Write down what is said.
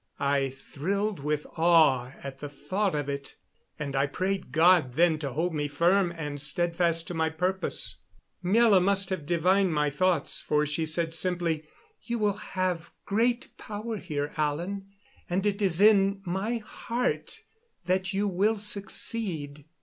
I thrilled with awe at the thought of it; and I prayed God then to hold me firm and steadfast to my purpose. Miela must have divined my thoughts, for she said simply: "You will have great power here, Alan; and it is in my heart that you will succeed."